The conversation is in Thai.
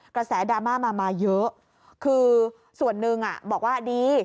กระแสดราม่ามามาเยอะคือส่วนหนึ่งบอกว่าดี